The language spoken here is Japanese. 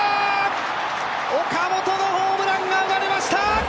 岡本のホームランが生まれました。